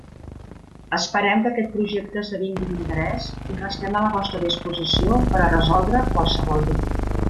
Esperem que aquest projecte esdevingui d'interès i restem a la vostra disposició per a resoldre qualsevol dubte.